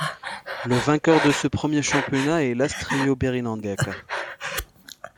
Le vainqueur de ce premier championnat est l'Astrio Begijnendijk.